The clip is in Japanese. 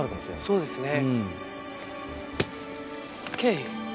そうですね。